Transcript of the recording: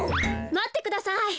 まってください。